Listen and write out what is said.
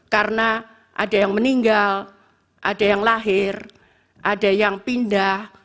karena ada yang meninggal ada yang lahir ada yang pindah